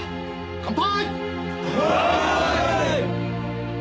乾杯！